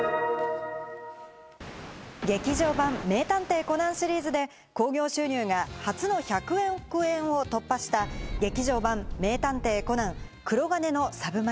劇場版『名探偵コナン』シリーズで興行収入が初の１００億円を突破した劇場版『名探偵コナン黒鉄の魚影』。